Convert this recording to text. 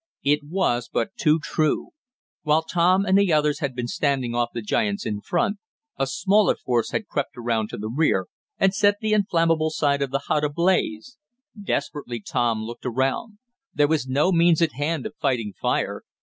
It was but too true. While Tom and the others had been standing off the giants in front, a smaller force had crept around to the rear, and set the inflamable side of the hut ablaze. Desperately Tom looked around. There was no means at hand of fighting fire.